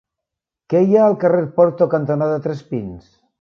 Què hi ha al carrer Porto cantonada Tres Pins?